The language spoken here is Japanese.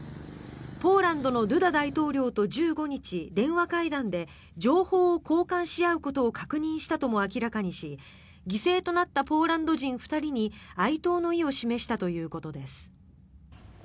ポーランドのドゥダ大統領と１５日、電話会談で情報を交換し合うことを確認したとも明らかにし犠牲となったポーランド人２人に哀悼の意を示したということです。